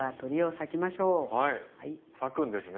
裂くんですね。